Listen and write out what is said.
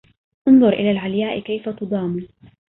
أنظر إلى العلياء كيف تضام